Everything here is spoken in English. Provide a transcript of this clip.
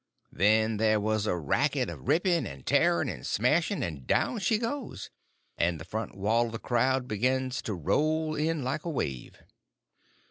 Then there was a racket of ripping and tearing and smashing, and down she goes, and the front wall of the crowd begins to roll in like a wave.